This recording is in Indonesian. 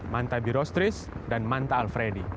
manta birostris dan manta alfredi